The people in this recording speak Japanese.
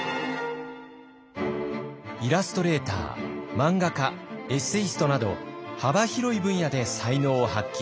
イラストレーター漫画家エッセイストなど幅広い分野で才能を発揮。